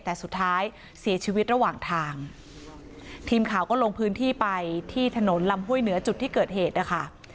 แต่สุดท้ายเสียชีวิตระหว่างทางทีมข่าวก็ลงพื้นที่ไปที่ถนนลำห้วยเหนือจุดที่เกิดเหตุนะคะ